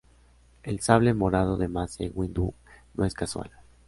El sable morado de Mace Windu no es casual.